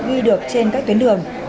ghi được trên các tuyến đường